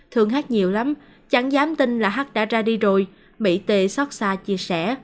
thương h nhiều lắm chẳng dám tin là h đã ra đi rồi mỹ t xót xa chia sẻ